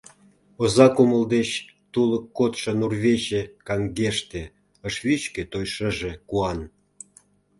Оза кумыл деч тулык кодшо нурвече Каҥгеште, ыш вӱчкӧ той шыже куан.